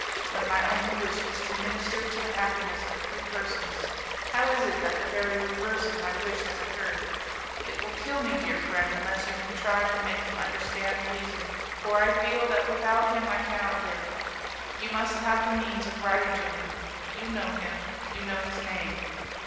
When my only wish was to minister to the happiness of three persons, how is it that the very reverse of my wish has occurred? It will kill me, dear friend, unless you contrive to make him understand reason, for I feel that without him I cannot live. You must have the means of writing to him, you know him, you know his name.